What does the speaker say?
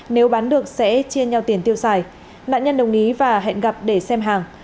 nếu bán được sẽ chia nhau tiền tiêu xài nạn nhân đồng ý và hẹn gặp để xem hàng